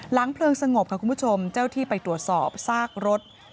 เพลิงสงบค่ะคุณผู้ชมเจ้าที่ไปตรวจสอบซากรถ